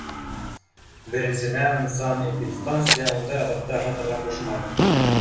Беренсенән, санэпидстанция ундай аҙыҡты ашатырға ҡушмай.